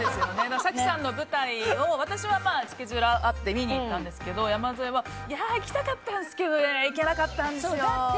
早紀さんの舞台を、私はスケジュールが合って見に行ったんですけど山添は行きたかったんですけど行けなかったんですよって。